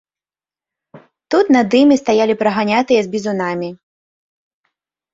Тут над імі стаялі прыганятыя з бізунамі.